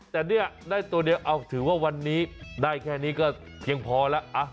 แต่เนี่ยได้ตัวเดียวเอาถือว่าวันนี้ได้แค่นี้ก็เพียงพอแล้ว